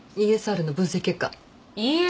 ＥＳＲの分析結果。